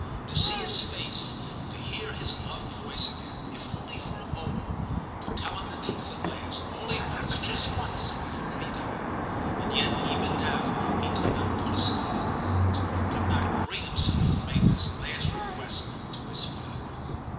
To see his face, to hear his loved voice again, if only for a moment ; to tell him the truth at last ; only once, just once, before he died. And yet even now he could not put his thought into words, — could not bring himself to make this last request to his father.